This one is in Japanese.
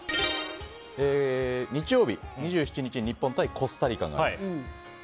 日曜日２７日日本対コスタリカがあります。